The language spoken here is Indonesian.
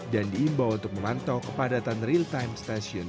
dan diimbau untuk melantau kepadatan real time stasiun